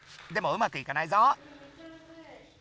でもうまくいかないぞ。